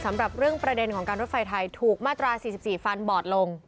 สำหรับเรื่องประเด็นของการรถไฟไทยถูกมาตรา๔๔ฟันบอดลง